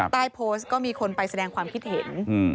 ใต้โพสต์ก็มีคนไปแสดงความคิดเห็น